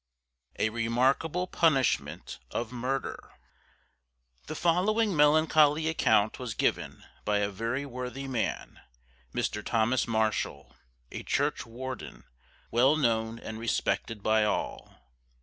A REMARKABLE PUNISHMENT OF MURDER. The following melancholy account was given by a very worthy man, Mr. Thomas Marshall, a Church warden well known and respected by all.